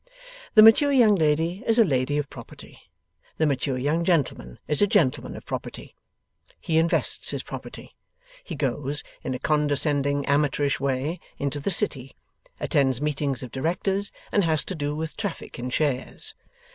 The mature young lady is a lady of property. The mature young gentleman is a gentleman of property. He invests his property. He goes, in a condescending amateurish way, into the City, attends meetings of Directors, and has to do with traffic in Shares.